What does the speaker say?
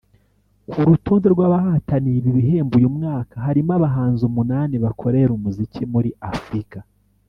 Ku rutonde rw’abahataniye ibi bihembo uyu mwaka harimo abahanzi umunani bakorera umuziki muri Afurika